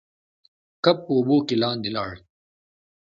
کب په اوبو کې لاندې لاړ.